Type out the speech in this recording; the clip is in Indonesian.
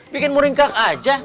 bikin muringkak aja